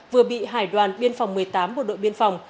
vừa bị hải đoàn biên phòng một mươi tám bộ đội biên phòng